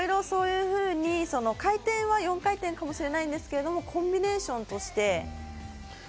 そういうふうに回転が４回転かもしれないですけどコンビネーションとして。